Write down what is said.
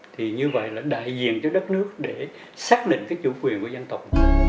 thì như vậy là đại diện cho đất nước để xác định cái chủ quyền của dân tộc